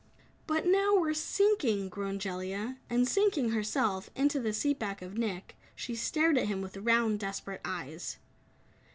"But now we're sinking," groaned Jellia. And sinking herself, into the seat back of Nick, she stared at him with round, desperate eyes.